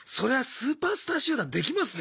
スーパースター集団できますね